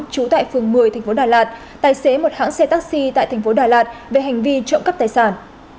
chú tại phường một mươi tp đà lạt tài xế một hãng xe taxi tại tp đà lạt về hành vi trộm cắp tài sản